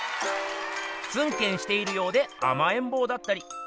ツンケンしているようであまえんぼうだったり。